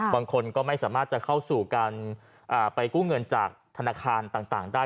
บางคนก็ไม่สามารถจะเข้าสู่การไปกู้เงินจากธนาคารต่างได้